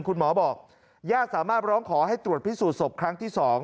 คุณหมอบอกญาติสามารถร้องขอให้ตรวจพิสูจนศพครั้งที่๒